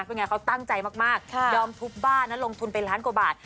เพราะแนนะค่ะตั้งใจมากยอมทุบบ้านและลงทุนไปละหาดกว่าบาท